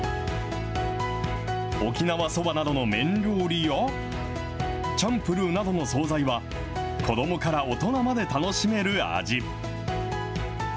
沖縄そばなどの麺料理やチャンプルーなどの総菜は、子どもから大人まで楽しめる味。